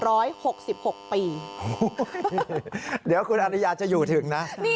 โอ้โฮเดี๋ยวคุณธรรยาจะอยู่ถึงนะ